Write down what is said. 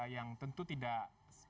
yang tentu tidak